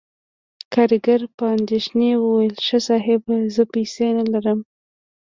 کارګر په اندیښنې وویل: "ښه، صاحب، زه پیسې نلرم..."